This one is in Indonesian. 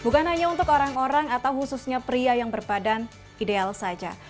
bukan hanya untuk orang orang atau khususnya pria yang berbadan ideal saja